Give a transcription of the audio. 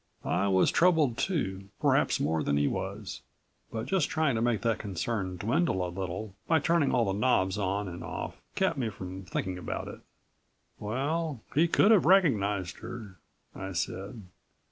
I was troubled too ... perhaps more than he was. But just trying to make that concern dwindle a little by turning all the knobs on and off kept me from thinking about it. "Well ... he could have recognized her," I said.